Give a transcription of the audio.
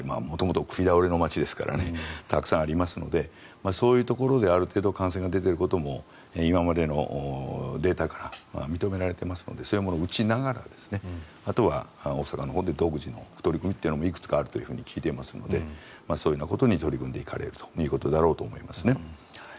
元々食いだおれの街ですからねたくさんありますのでそういうところである程度感染が出ていることも今までのデータから認められていますのでそういうものを打ちながらあとは大阪のほうで独自の取り組みもいくつかあると聞いていますのでそういうことに取り組んでいかれるということだろうと思いますね。